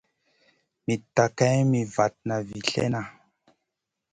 Mitta geyn mi vatna vi slèhna.